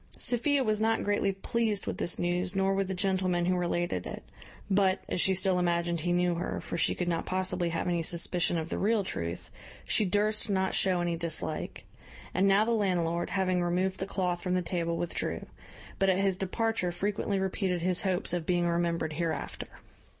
Sophia was not greatly pleased with this news, nor with the gentleman who related it; but, as she still imagined he knew her (for she could not possibly have any suspicion of the real truth), she durst not show any dislike. And now the landlord, having removed the cloth from the table, withdrew; but at his departure frequently repeated his hopes of being remembered hereafter.